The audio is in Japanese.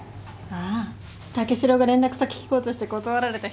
ああ武四郎が連絡先聞こうとして断られた人だ。